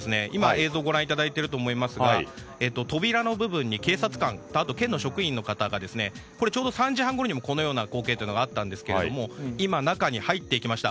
映像ご覧いただいていると思いますが扉の部分に警察官と県の職員の方がちょうど３時半ごろにもこのような光景があったんですけども今、中に入っていきました。